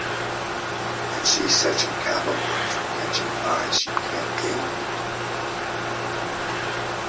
And she’s such a capital one for catching mice you can’t think!